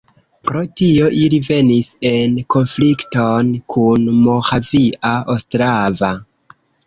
Pro tio ili venis en konflikton kun Moravia Ostrava.